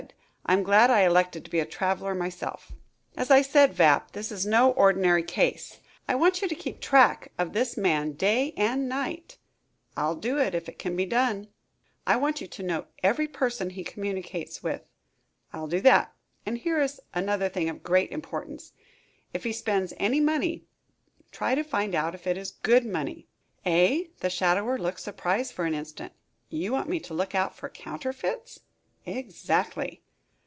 I'm glad I elected to be a traveler myself." "As I said, Vapp, this is no ordinary case. I want you to keep track of this man day and night." "I'll do it if it can be done." "I want you to note every person he communicates with." "I'll do that, too." "And here is another thing of great importance. If he spends money, try to find out if it is good money." "Eh?" The shadower looked surprised for an instant. "You want me to look out for counterfeits?" "Exactly."